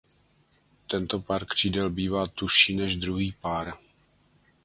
Tento pár křídel bývá tužší než druhý pár.